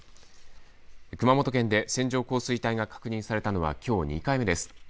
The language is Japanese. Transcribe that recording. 熊本県で線状降水帯が確認されたのはきょう２回目です。